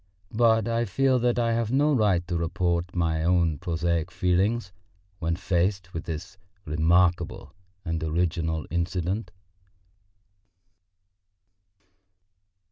But I feel that I have no right to report my own prosaic feelings when faced with this remarkable and original incident.